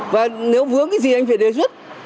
và nếu vướng cái gì anh phải đề xuất